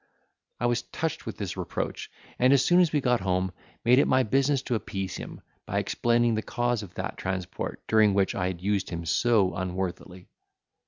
I was touched with this reproach; and, as soon as we got home, made it my business to appease him, by explaining the cause of that transport during which I had used him so unworthily.